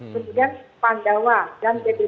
kemudian pandawa dan dbtu